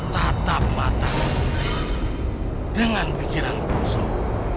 tatap mata mu dengan pikiran bosok